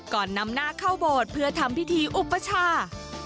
ก่อนนำนักเข้าบทเพื่อทำพิธีอุปชา